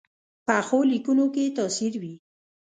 پخو لیکنو کې تاثیر وي